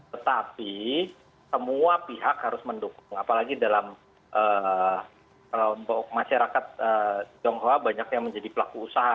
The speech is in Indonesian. tetapi semua pihak harus mendukung apalagi dalam kelompok masyarakat tionghoa banyak yang menjadi pelaku usaha